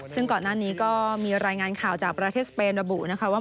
ซึ่งก่อนหน้านี้ก็มีรายงานข่าวจากประเทศสเปนระบุนะคะว่า